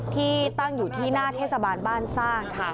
ที่ตั้งอยู่ที่หน้าเทศบาลบ้านสร้างค่ะ